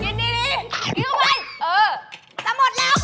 เจ๋งมากพาพุ้งเจ๋งมาก